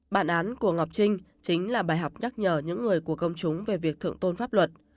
bản án của ngọc trinh chính là bài học nhắc nhở những người của công chúng về việc thượng tôn pháp luật